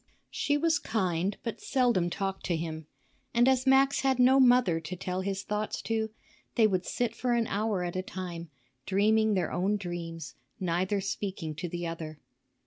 She was kind, but seldom talked to him; and as Max had no mother to tell his thoughts to, they would sit for an hour at a time, dreaming their own dreams, neither speaking to the other.